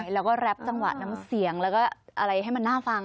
แล้วก็รับจังหวะน้ำเสียงแล้วก็อะไรให้มันน่าฟัง